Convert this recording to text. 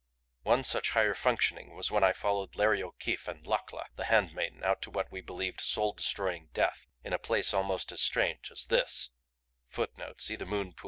One such higher functioning was when I followed Larry O'Keefe and Lakla, the Handmaiden, out to what we believed soul destroying death in a place almost as strange as this *; another was now.